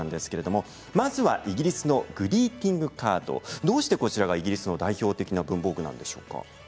まずはイギリスのグリーティングカードどうしてこちらがイギリスの代表的な文房具なんでしょうか。